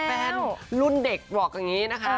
แฟนรุ่นเด็กบอกอย่างนี้นะคะ